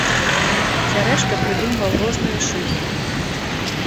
Цярэшка прыдумваў розныя шыфры.